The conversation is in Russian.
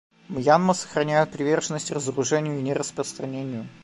Мьянма сохраняет приверженность разоружению и нераспространению.